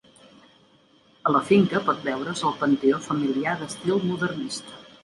A la finca pot veure's el panteó familiar d'estil modernista.